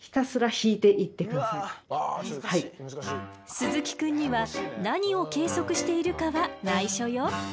鈴木くんには何を計測しているかはないしょよ。